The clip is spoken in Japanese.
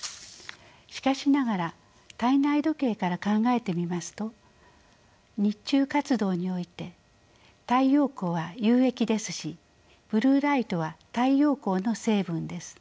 しかしながら体内時計から考えてみますと日中活動において太陽光は有益ですしブルーライトは太陽光の成分です。